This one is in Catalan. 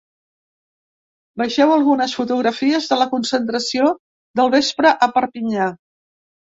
Vegeu algunes fotografies de la concentració del vespre a Perpinyà.